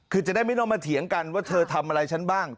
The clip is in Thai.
คือจะได้ไม่ต้องมาเถียงกันว่าเธอทำอะไรฉันบ้าง